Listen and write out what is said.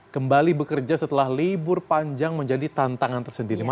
kembali bekerja setelah libur panjang menjadi tantangan tersendiri